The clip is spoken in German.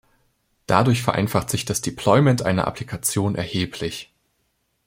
Dadurch vereinfacht sich das Deployment einer Applikation erheblich.